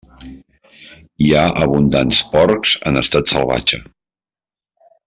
Hi ha abundants pocs en estat salvatge.